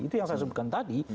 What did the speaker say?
itu yang saya sebutkan tadi